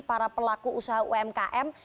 para pelaku usaha umkm